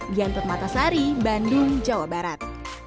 diantar matasari bandung jawa barat